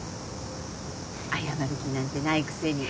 謝る気なんてないくせに。